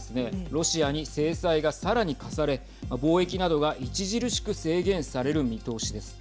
ロシアに制裁が、さらに科され貿易などが著しく制限される見通しです。